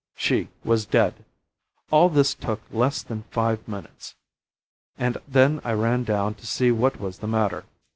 She was dead! All this took less than five minutes, and then I ran down to see what was the matter.